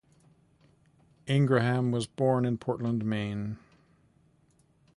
Ingraham was born in Portland, Maine.